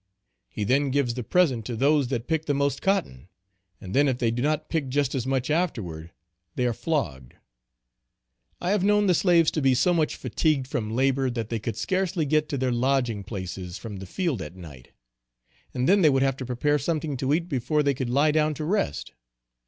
He then gives the present to those that pick the most cotton, and then if they do not pick just as much afterward they are flogged. I have known the slaves to be so much fatigued from labor that they could scarcely get to their lodging places from the field at night. And then they would have to prepare something to eat before they could lie down to rest.